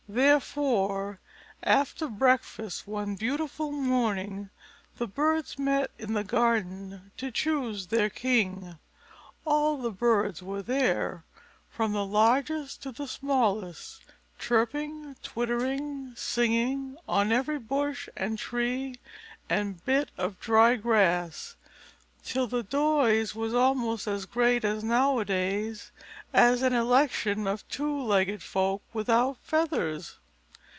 Therefore, after breakfast one beautiful morning, the birds met in the garden to choose their king. All the birds were there, from the largest to the smallest, chirping, twittering, singing on every bush and tree and bit of dry grass, till the noise was almost as great as nowadays at an election of two legged folk without feathers.